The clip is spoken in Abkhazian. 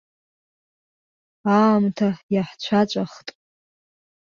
Аамҭа иаҳцәаҵәахт.